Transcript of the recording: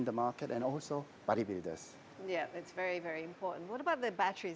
teknologi baterai berkembang setiap hari